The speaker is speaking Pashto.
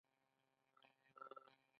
یو تړون هم لاسلیک شو.